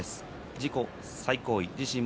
自己最高位です。